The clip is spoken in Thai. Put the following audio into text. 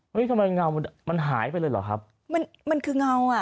ทำไมเงามันมันมันหายไปเลยเหรอครับมันมันคือเงาอ่ะ